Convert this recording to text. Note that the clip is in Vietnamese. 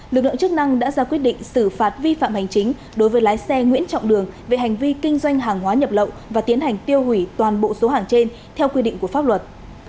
lực lượng chức năng đã ra quyết định xử phạt vi phạm hành chính đối với lái xe nguyễn trọng đường về hành vi kinh doanh hàng hóa nhập lậu và tiến hành tiêu hủy toàn bộ số hàng trên theo quy định của pháp luật